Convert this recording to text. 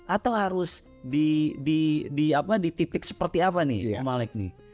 atau harus di titik seperti apa nih maleg nih